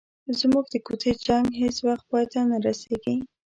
زموږ د کوڅې جنګ هیڅ وخت پای ته نه رسيږي.